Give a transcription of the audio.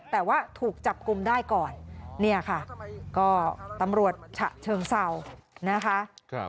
แต่ว่าถูกจับกลุ่มได้ก่อนเนี่ยค่ะก็ตำรวจฉะเชิงเศร้านะคะ